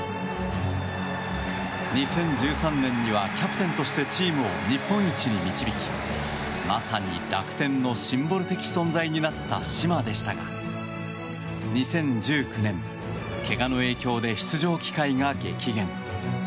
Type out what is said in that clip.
２０１３年にはキャプテンとしてチームを日本一に導きまさに楽天のシンボル的存在になった嶋でしたが２０１９年、けがの影響で出場機会が激減。